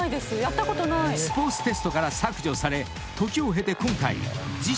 ［スポーツテストから削除され時を経て今回］